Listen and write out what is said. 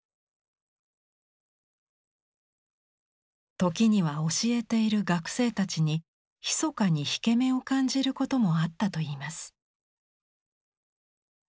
時には教えている学生たちにひそかに引け目を感じることもあったといいます。